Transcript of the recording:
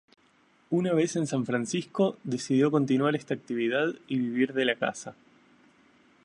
Una vez en San Francisco decidió continuar esta actividad y vivir de la caza.